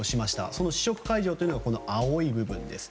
その試食会場というのが青い部分です。